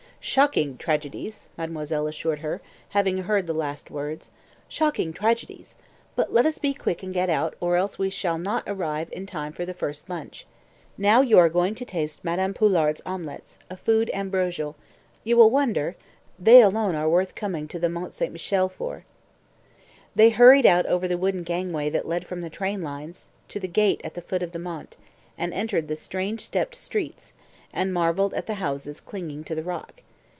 "Shocking tragedies!" mademoiselle assured her, having heard the last words. "Shocking tragedies! But let us be quick and get out, or else we shall not arrive in time for the first lunch. Now you are going to taste Madame Poulard's omelettes a food ambrosial. You will wonder! They alone are worth coming to the Mont St. Michel for." They hurried out over the wooden gangway that led from the train lines to the gate at the foot of the Mont, and entered the strange stepped streets, and marvelled at the houses clinging to the rock.